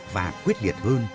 và quyết liệt hơn